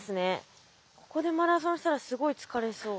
ここでマラソンしたらすごい疲れそう。